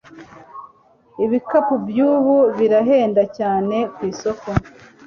Ibikapu byubu birahenda cyane kwisoko